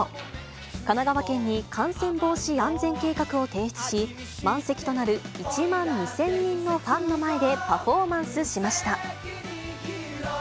神奈川県に感染防止安全計画を提出し、満席となる１万２０００人のファンの前でパフォーマンスしました。